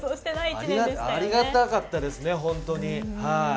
ありがたかったですね、ホントに。